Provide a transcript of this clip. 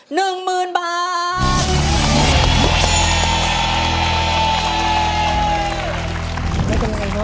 ๑หมื่นบาท